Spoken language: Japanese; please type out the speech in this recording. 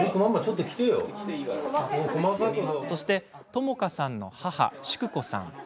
そして朋佳さんの母、淑子さん。